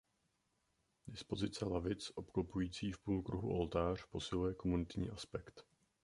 Dispozice lavic obklopující v půlkruhu oltář posiluje komunitní aspekt.